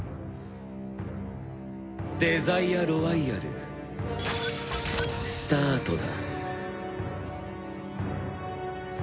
デザイアロワイヤルスタートだ。